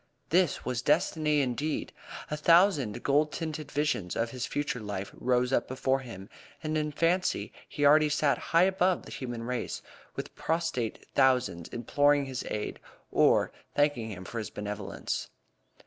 This was a destiny indeed! A thousand gold tinted visions of his future life rose up before him, and in fancy he already sat high above the human race, with prostrate thousands imploring his aid, or thanking him for his benevolence.